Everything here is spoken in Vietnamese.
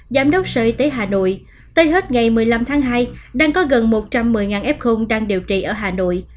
giám đốc sở y tế hà nội tới hết ngày một mươi năm tháng hai đang có gần một trăm một mươi f đang điều trị ở hà nội